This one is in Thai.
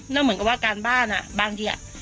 แล้วเหมือนกับว่าการบ้านบางที